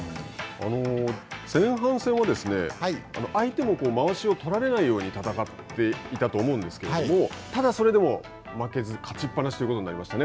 前半戦は相手もまわしをとられないように戦っていたと思うんですけれどもただ、それでも負けず勝ちっぱなしということになりましたね。